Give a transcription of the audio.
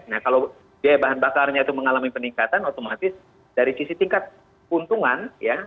nah kalau biaya bahan bakarnya itu mengalami peningkatan otomatis dari sisi tingkat keuntungan ya